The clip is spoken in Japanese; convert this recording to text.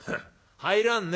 入らんね